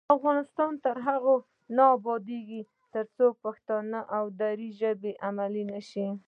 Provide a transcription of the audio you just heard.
افغانستان تر هغو نه ابادیږي، ترڅو پښتو او دري ژبې علمي نشي.